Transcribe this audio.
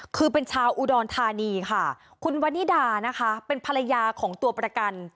คือเป็นชาวอุดรธานีค่ะคุณวันนิดานะคะเป็นภรรยาของตัวประกัน